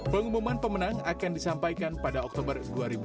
pengumuman pemenang akan disampaikan pada oktober dua ribu dua puluh